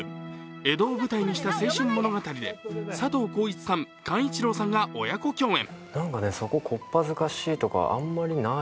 江戸を舞台にした青春物語で佐藤浩市さん、寛一郎さんが親子共演。